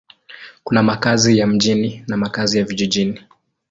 Kuna makazi ya mjini na makazi ya vijijini.